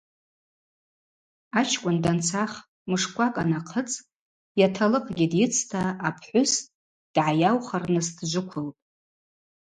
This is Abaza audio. Ачкӏвын данцах мышквакӏ анахъыцӏ йаталыкъгьи дйыцта апхӏвыс дгӏайаухырныс дджвыквылтӏ.